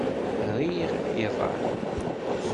Riɣ iḍan.